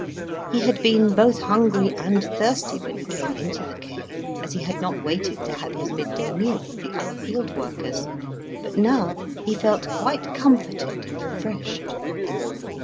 He had been both hungry and thirsty when he came into the cave, as he had not waited to have his midday meal with the other field workers; but now he felt quite comforted and refreshed.